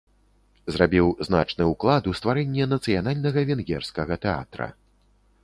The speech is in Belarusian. Зрабіў значны ўклад у стварэнне нацыянальнага венгерскага тэатра.